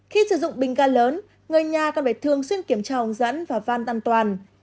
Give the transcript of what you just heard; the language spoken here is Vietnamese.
khi sử dụng bình ga lớn người nhà còn phải thường xuyên kiểm tra hướng dẫn và van an toàn